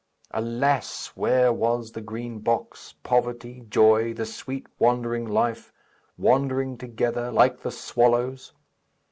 Alas! where was the Green Box, poverty, joy, the sweet wandering life wandering together, like the swallows?